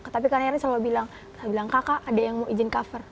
tapi kang eri selalu bilang kakak ada yang mau izin cover